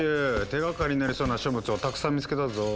手がかりになりそうな書物をたくさん見つけたぞ。